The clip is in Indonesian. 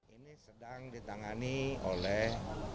ini sedang ditangani oleh